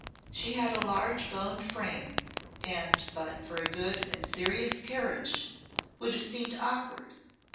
She had a large boned frame, and but for a good and serious carriage would have seemed awkward.